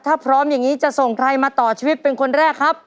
ถ้าพร้อมอย่างนี้จะส่งใครมาต่อชีวิตเป็นคนแรกครับ